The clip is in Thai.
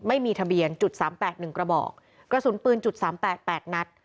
ไม่มีทะเบียน๓๘๑กระบอกกระสุนปืน๓๘๘นัด